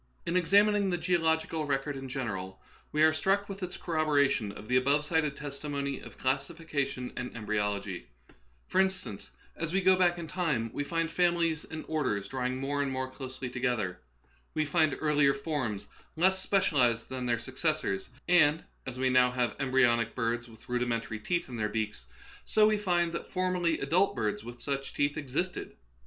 In examining the geological record in general, we are struck with its corroboration of the above cited testimony of classification and embryolog}^ For instance, as we go back in time, we find fam ilies and orders drawing more and more closely together ; we find earlier forms less specialized than their successors ; and, as we now have em bryonic birds with rudimentary teeth in their beaks, so we find that formerly adult birds Vt^'ith such teeth existed.